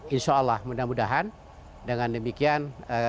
insya allah mudah mudahan dengan demikian